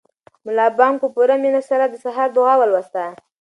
ملا بانګ په پوره مینه سره د سهار دعا ولوسته.